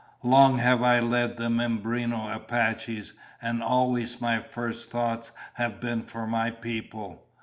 "Long have I led the Mimbreno Apaches, and always my first thoughts have been for my people.